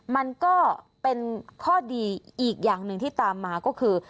มันก็เป็นข้อดีอีกอย่างหนึ่งที่ตามมาก็คือ